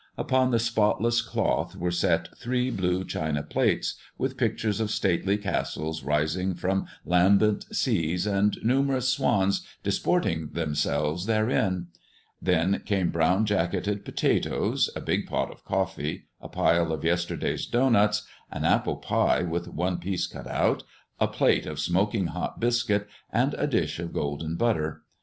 Upon the spotless cloth were set three blue china plates, with pictures of stately castles rising from lambent seas and numerous swans disporting themselves therein; then came brown jacketed potatoes, a big pot of coffee, a pile of yesterday's doughnuts, an apple pie with one piece cut out, a plate of smoking hot biscuit, and a dish of golden butter.